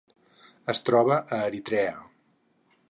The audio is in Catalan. Es troba a Eritrea.